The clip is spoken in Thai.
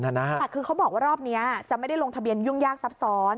แต่คือเขาบอกว่ารอบนี้จะไม่ได้ลงทะเบียนยุ่งยากซับซ้อน